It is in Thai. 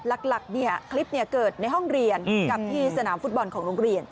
หลักคลิปเกิดในห้องเรียนกับที่สนามฟุตบอลของโรงเรียน